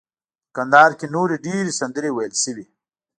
په کندهار کې نورې ډیرې سندرې ویل شوي.